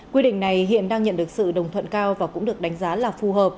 quy định này hiện đang nhận được sự đồng thuận cao và cũng được đánh giá là phù hợp